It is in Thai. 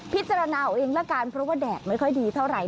พิจารณาเอาเองละกันเพราะว่าแดดไม่ค่อยดีเท่าไหร